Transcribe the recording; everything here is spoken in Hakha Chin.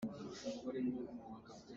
Thau milmial tein a um.